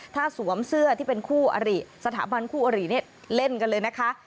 ถ้าสวมเสื้อที่เป็นคู่อริสถาบันคู่อริเนี่ยเล่นกันเลยนะคะ